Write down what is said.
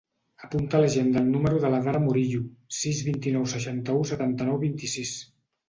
Apunta a l'agenda el número de la Dara Murillo: sis, vint-i-nou, seixanta-u, setanta-nou, vint-i-sis.